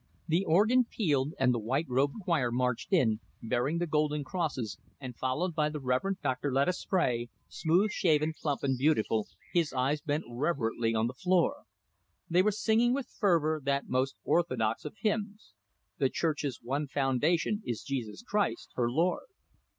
The organ pealed and the white robed choir marched in, bearing the golden crosses, and followed by the Reverend Dr. Lettuce Spray, smooth shaven, plump and beautiful, his eyes bent reverently on the floor. They were singing with fervor that most orthodox of hymns: The church's one foundation Is Jesus Christ, her Lord.